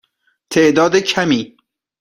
تعداد کمی.